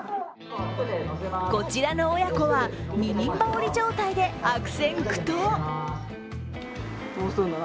こちらの親子は、二人羽織状態で悪戦苦闘。